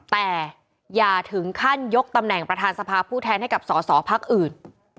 แต่อย่าถึงขั้นยกตำแหน่งประธานสภาผู้แทนให้กับสอสอพักอื่น